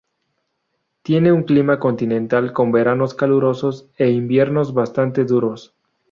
Tiene un clima continental con veranos calurosos e inviernos bastante duros.